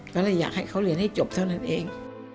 ก็เลยอยากให้เขาเรียนให้จบเท่านั้นเอง